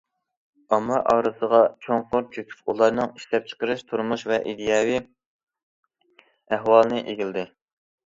ئامما ئارىسىغا چوڭقۇر چۆكۈپ، ئۇلارنىڭ ئىشلەپچىقىرىش، تۇرمۇش ۋە ئىدىيەۋى ئەھۋالىنى ئىگىلىدى.